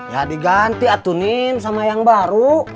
ya diganti atunin sama yang baru